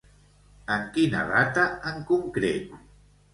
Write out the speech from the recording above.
En quina data en concret?